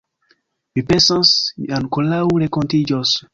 Mi pensas, ni ankoraŭ renkontiĝos.